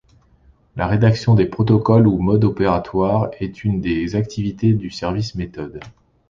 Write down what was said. La rédaction des protocoles ou modes opératoires est une des activités du service méthodes.